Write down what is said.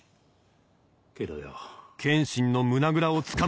けどよ。